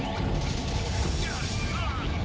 baik tekan saja